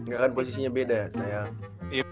gakkan posisinya beda ya sayang